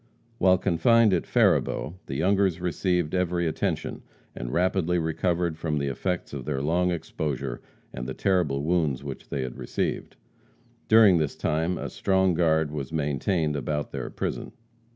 While confined at Faribault, the Youngers received every attention, and rapidly recovered from the effects of their long exposure and the terrible wounds which they had received. During this time a strong guard was maintained about their prison.